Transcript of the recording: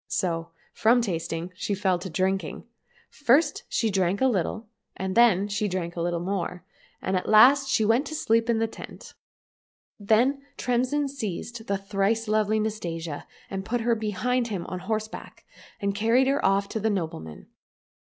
So from tasting she fell to drinking. First she drank a little, and then she drank a little more, and at last she went asleep in the tent. Then Tremsin seized the thrice lovely Nastasia and put her behind him on horse back, and carried her off to the nobleman.